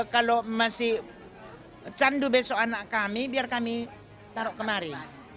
kalau masih candu besok anak kami biar kami taruh kemari